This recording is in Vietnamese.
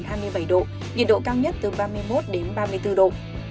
nhiệt độ cao nhất từ ba mươi một đến ba mươi bốn độ